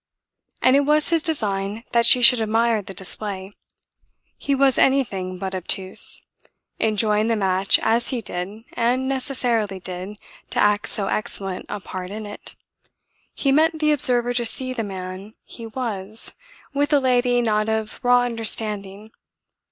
And it was his design that she should admire the display; he was anything but obtuse; enjoying the match as he did and necessarily did to act so excellent a part in it, he meant the observer to see the man he was with a lady not of raw understanding.